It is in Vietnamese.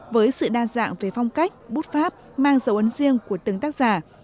với sự đa dạng về phong cách bút pháp mang dấu ấn riêng của từng tác giả